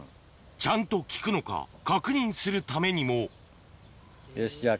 ちゃんと効くのか確認するためにもよしじゃあ。